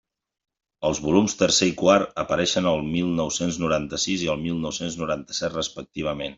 Els volums tercer i quart apareixen el mil nou-cents noranta-sis i el mil nou-cents noranta-set, respectivament.